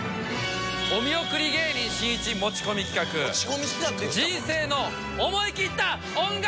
お見送り芸人しんいち持ち込み企画人生の思い切った恩返し！